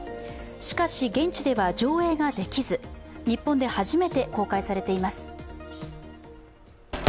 しかし現地では上映ができず、日本で初めて公開されています。